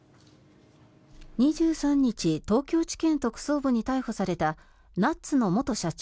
２３日東京地検特捜部に逮捕されたＮｕｔｓの元社長